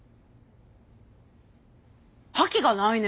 覇気がないね。